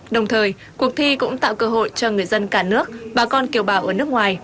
đồng thời cuộc thi cũng tạo cơ hội cho người dân cả nước bà con kiều bào ở nước ngoài